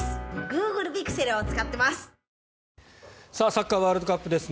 サッカーワールドカップです。